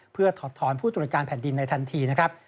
เพื่อถอดถอนผู้ตรวจการแผ่นดินในทันทีนะครับ